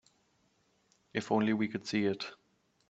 If only we could see it.